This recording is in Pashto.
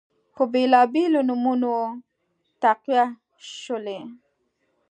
په بیلابیلو نومونو تقویه شولې